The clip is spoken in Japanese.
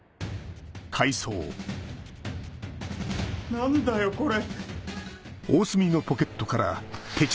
何だよこれ！